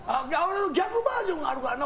逆バージョンあるからな。